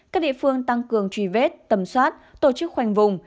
các địa phương tăng cường truy vết tầm soát tổ chức khoanh vùng